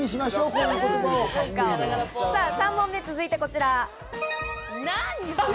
３問目、続いてこちら。